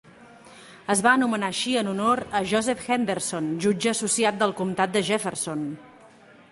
Es va anomenar així en honor a Joseph Henderson, jutge associat del comtat de Jefferson.